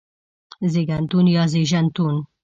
زيږنتون يا زيژنتون